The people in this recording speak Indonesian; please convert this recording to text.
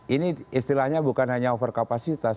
ini istilahnya bukan hanya overcapacitas